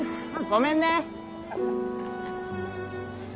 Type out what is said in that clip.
ごめんね！